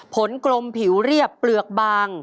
กลมผิวเรียบเปลือกบาง